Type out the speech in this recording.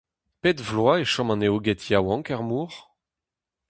Pet vloaz e chom an eoged yaouank er mor ?